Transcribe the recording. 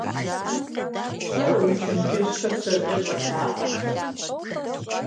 ПщӀэрэ уи чэнджэщхэр сэркӀэ щӀэлъапӀэр?